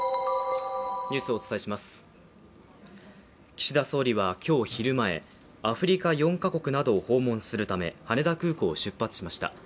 岸田総理は今日昼前、アフリカ４か国などを訪問するため羽田空港を出発しました。